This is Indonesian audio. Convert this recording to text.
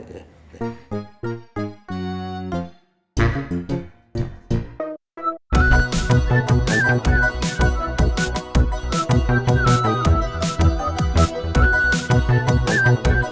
sudah sampai mister